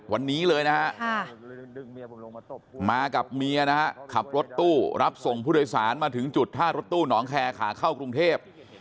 วันนี้เลยนะฮะมากับเมียนะฮะขับรถตู้รับส่งผู้โดยสารมาถึงจุดท่ารถตู้หนองแคร์ขาเข้ากรุงเทพ